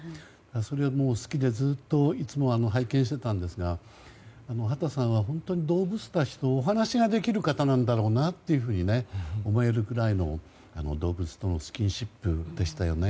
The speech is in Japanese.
それも好きでずっといつも拝見してたんですが畑さんは、本当に動物たちとお話ができる方なんだろうなと思えるくらいの、動物とのスキンシップでしたよね。